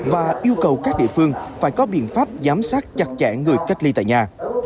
và yêu cầu các địa phương phải có biện pháp giám sát chặt chẽ người cách ly tại nhà